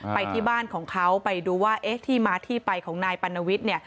ไปที่บ้านของเขาไปดูว่าเอ๊ะที่มาที่ไปของนายปัณวิทย์เนี่ย